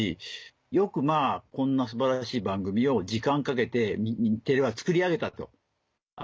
よくこんな素晴らしい番組を時間かけて日テレは作り上げたと。